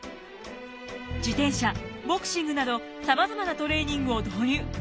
自転車ボクシングなどさまざまなトレーニングを導入。